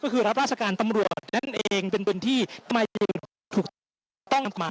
ก็คือรับราชการตำรวจนั่นเองเป็นปืนที่ไม่ถูกต้องกำลังมา